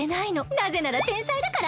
なぜなら天才だから？